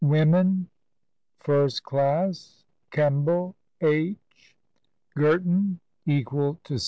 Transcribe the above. Women. First Class : Kemball, H., Girton (equal to 6).